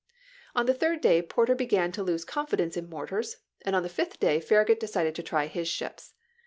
On the third day Porter began to lose confidence in mortars, and on the fifth day Farra gut decided to try his ships.